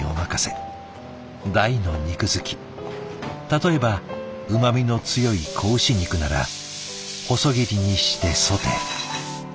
例えばうまみの強い仔牛肉なら細切りにしてソテー。